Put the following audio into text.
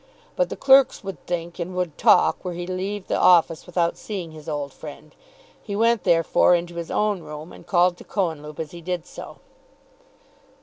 But the clerks would think, and would talk, were he to leave the office without seeing his old friend. He went therefore into his own room, and called to Cohenlupe as he did so.